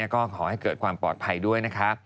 ก็ขอให้เกิดความปลอดภัยด้วยนะคะ